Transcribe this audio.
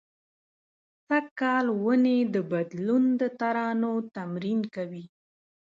سږ کال ونې د بدلون د ترانو تمرین کوي